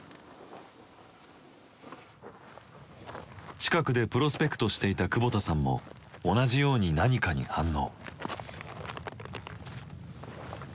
近くでプロスペクトしていた久保田さんも同じように何かに反応。